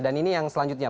dan ini yang selanjutnya